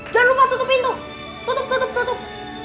jangan lupa tutup pintu tutup tutup